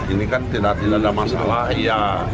ini kan tidak ada masalah iya